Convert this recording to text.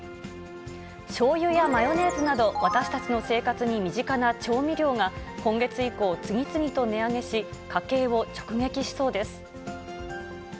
しょうゆやマヨネーズなど、私たちの生活に身近な調味料が、今月以降、次々と値上げし、家計を直撃しそうです。